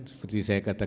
seperti saya katakan tadi